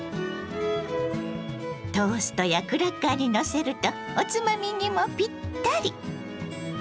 トーストやクラッカーにのせるとおつまみにもピッタリ！